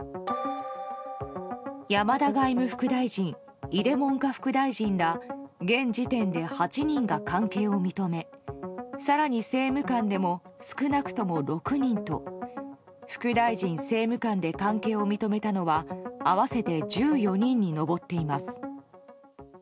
山田外務副大臣井出文科副大臣ら現時点で８人が関係を認め更に政務官でも少なくとも６人と副大臣政務官で関係を認めたのは合わせて１４人に上っています。